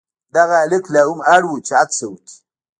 دغه هلک لا هم اړ و چې هڅه وکړي.